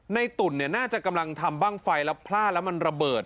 ตุ่นน่าจะกำลังทำบ้างไฟแล้วพลาดแล้วมันระเบิด